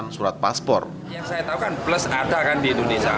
yang saya tahu kan plus ada kan di indonesia